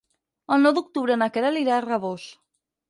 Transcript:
El nou d'octubre na Queralt irà a Rabós.